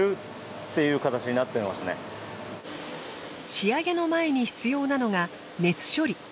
仕上げの前に必要なのが熱処理。